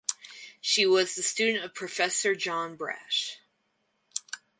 She was the student of Professor John Brash.